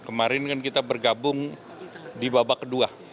kemarin kan kita bergabung di babak kedua